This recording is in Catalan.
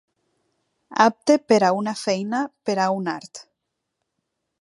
Apte per a una feina, per a un art.